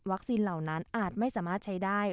เหล่านั้นอาจไม่สามารถใช้ได้